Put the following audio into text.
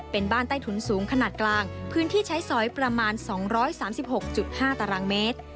เป็นบ้านใต้ถุนสูงขนาดกลางพื้นที่ใช้สอยประมาณ๒๓๖๕ตารางเมตร